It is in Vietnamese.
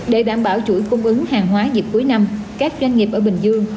để đảm bảo chuỗi cung ứng hàng hóa dịp cuối năm các doanh nghiệp ở bình dương